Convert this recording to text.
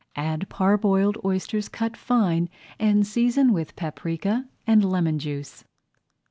Add parboiled oysters cut fine, and season with paprika and lemon juice.